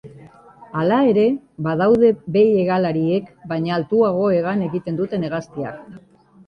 Hala ere, badaude behi hegalariek baino altuago hegan egiten duten hegaztiak.